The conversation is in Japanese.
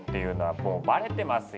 もうバレてますよ。